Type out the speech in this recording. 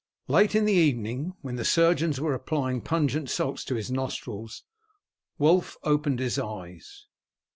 Late in the evening, when the surgeons were applying pungent salts to his nostrils, Wulf opened his eyes.